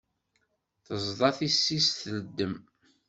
Teẓḍa tissist tleddem.